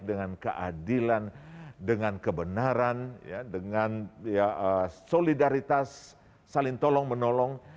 dengan keadilan dengan kebenaran dengan solidaritas saling tolong menolong